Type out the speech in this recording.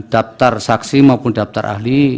daptar saksi maupun daptar ahli